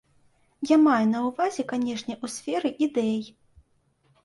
Я маю на ўвазе, канешне, у сферы ідэй.